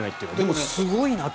でも、すごいなと。